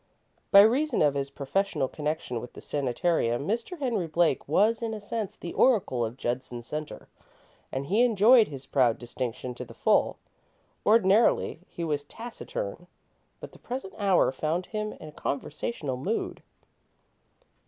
By reason of his professional connection with the sanitarium, Mr. Henry Blake was, in a sense, the oracle of Judson Centre, and he enjoyed his proud distinction to the full. Ordinarily, he was taciturn, but the present hour found him in a conversational mood.